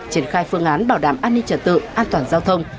triển khai phương án bảo đảm an ninh trật tự an toàn giao thông